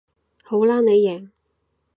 好啦你贏